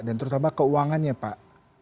dan terutama keuangannya pak